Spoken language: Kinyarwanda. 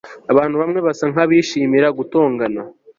abantu bamwe basa nkabishimira gutongana